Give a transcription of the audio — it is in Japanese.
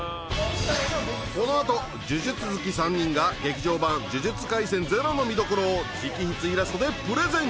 このあと「呪術」好き３人が「劇場版呪術廻戦０」の見どころを直筆イラストでプレゼン！